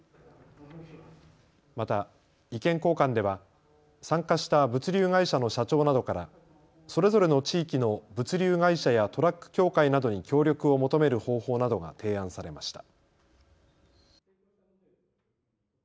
また意見交換では参加した物流会社の社長などからそれぞれの地域の物流会社やトラック協会などに協力を求める方法などが提案されました。